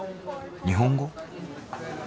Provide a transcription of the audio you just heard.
日本語？